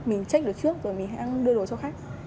mình check được trước rồi mình hãy đưa đồ cho khách